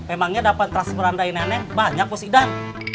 emangnya dapat transfer anda eneng banyak mas idan